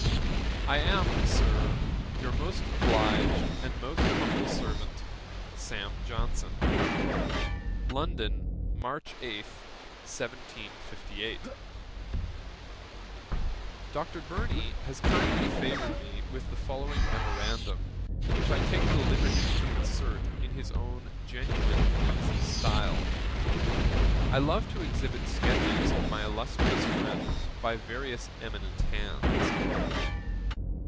'I am, Sir, 'Your most obliged 'And most humble servant, 'SAM. JOHNSON.' 'London, March 8, 1758.' Dr. Burney has kindly favoured me with the following memorandum, which I take the liberty to insert in his own genuine easy style. I love to exhibit sketches of my illustrious friend by various eminent hands.